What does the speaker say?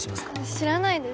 知らないです。